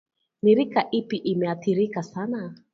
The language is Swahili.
ni rika ipi imeathirika sana